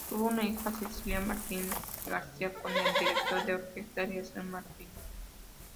Tuvo una hija, Cecilia Martínez García, con el director de orquesta Eleazar Martínez.